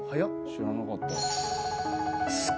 知らなかった。